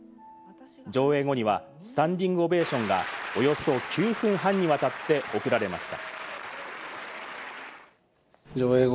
上映後にはスタンディングオベーションがおよそ９分半にわたって送られました。